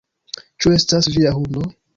Ĉu estas via hundo?